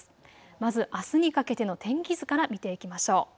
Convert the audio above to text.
まずあすにかけての天気図から見ていきましょう。